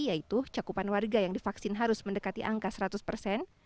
yaitu cakupan warga yang divaksin harus mendekati angka seratus persen